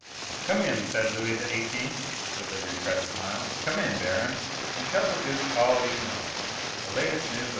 "Come in," said Louis XVIII., with repressed smile, "come in, Baron, and tell the duke all you know—the latest news of M.